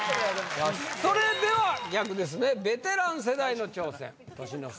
それでは逆ですねベテラン世代の挑戦年の差